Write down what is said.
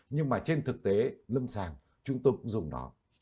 nhưng mà trên thực tế lâm sàng chúng tôi cũng dùng nó